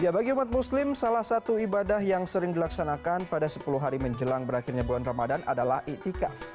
bagi umat muslim salah satu ibadah yang sering dilaksanakan pada sepuluh hari menjelang berakhirnya bulan ramadan adalah itikaf